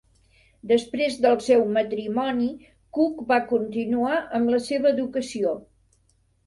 Després del seu matrimoni, Cook va continuar amb la seva educació.